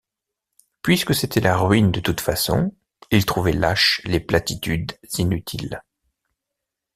Puisque c’était la ruine de toutes façons, il trouvait lâches les platitudes inutiles.